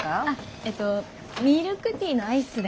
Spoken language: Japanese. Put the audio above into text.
えっとミルクティーのアイスで。